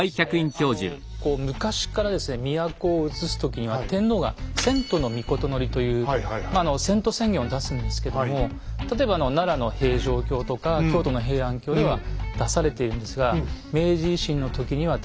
昔からですね都をうつす時には天皇が「遷都の詔」という遷都宣言を出すんですけども例えば奈良の平城京とか京都の平安京では出されているんですがないんですよ。